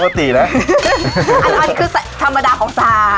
อันนี้คือธรรมดาของซา